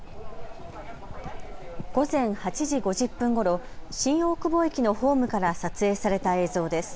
午前８時５０分ごろ新大久保駅のホームから撮影された映像です。